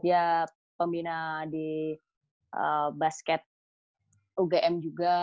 ya pembina di basket ugm juga